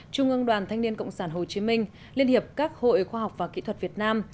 trung ương đoàn thanh niên cộng sản hồ chí minh liên hiệp các hội khoa học và kỹ thuật việt nam